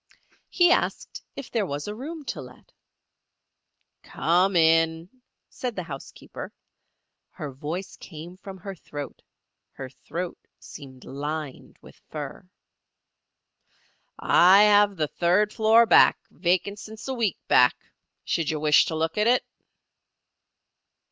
He asked if there was a room to let. "Come in," said the housekeeper. Her voice came from her throat; her throat seemed lined with fur. "I have the third floor back, vacant since a week back. Should you wish to look at it?"